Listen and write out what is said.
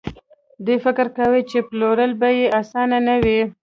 دوی فکر کاوه چې پلورل به يې اسانه نه وي.